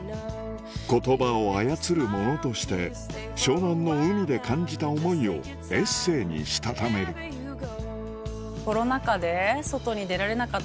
言葉を操る者として湘南の海で感じた思いをエッセーにしたためるとか思ったり。